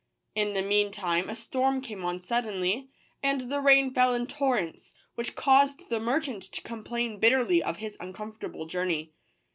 In the mean time a storm came on suddenly, and the rain fell in torrents, which caused the merchant to complain bitterly of his uncomfortable journey.